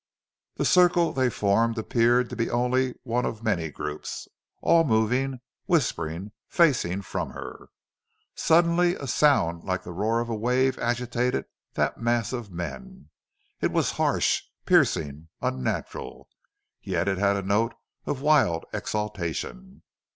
The circle they formed appeared to be only one of many groups, all moving, whispering, facing from her. Suddenly a sound like the roar of a wave agitated that mass of men. It was harsh, piercing, unnatural, yet it had a note of wild exultation.